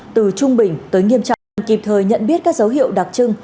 từ trung bình tới nghiêm trọng kịp thời nhận biết các dấu hiệu đặc trưng